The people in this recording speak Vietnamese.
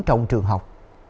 trong trường học